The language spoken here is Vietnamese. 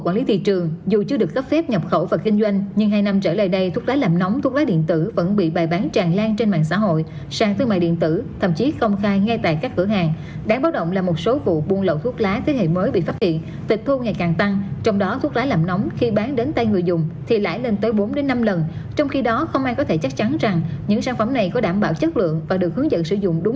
quý vị trước tình hình nhập lậu kinh doanh trái phép thuốc lá điện tử và thuốc lá làm nóng thời gian vừa qua thủ tướng chính phủ đã có chỉ đạo các bộ ban ngành khẩn trương đề xuất chính sách quản lý riêng đối với thuốc lá điện tử và thuốc lá làm nóng